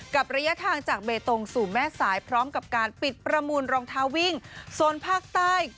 ระยะทางจากเบตงสู่แม่สายพร้อมกับการปิดประมูลรองเท้าวิ่งโซนภาคใต้